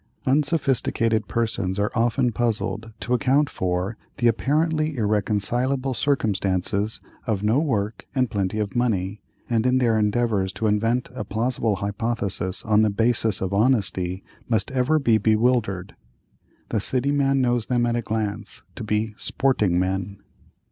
Unsophisticated persons are often puzzled to account for the apparently irreconcilable circumstances of no work, and plenty of money, and in their endeavors to invent a plausible hypothesis on the basis of honesty, must ever be bewildered. The city man knows them at a glance to be "sporting men."